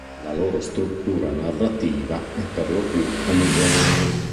La loro struttura narrativa è perlopiù omogenea.